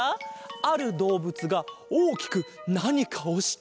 あるどうぶつがおおきくなにかをしているぞ！